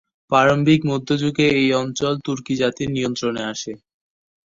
প্রারম্ভিক মধ্যযুগে এই অঞ্চল তুর্কি জাতির নিয়ন্ত্রণে আসে।